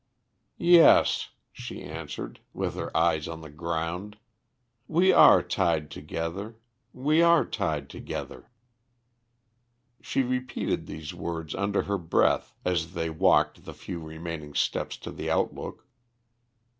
"Yes," she answered, with her eyes on the ground, "we are tied together we are tied together!" She repeated these words under her breath as they walked the few remaining steps to the Outlook.